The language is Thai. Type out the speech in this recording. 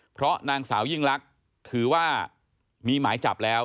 เพราะนางสาวยิ่งลักษณ์ถือว่ามีหมายจับแล้ว